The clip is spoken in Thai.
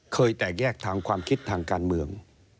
แตกแยกทางความคิดทางการเมือง